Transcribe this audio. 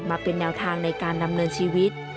มาเป็นแนวทางในการดำเนินชีวิต